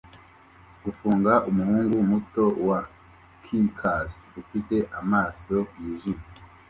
Gufunga umuhungu muto wa caucase ufite amaso yijimye